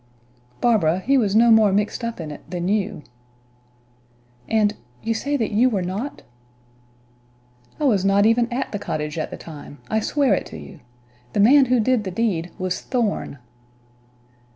"Barbara, he was no more mixed up in it than you." "And you say that you were not?" "I was not even at the cottage at the time; I swear it to you. The man who did the deed was Thorn."